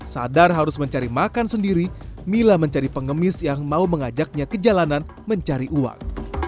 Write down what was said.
sadar harus mencari makan sendiri mila mencari pengemis yang mau mengajaknya ke jalanan mencari uang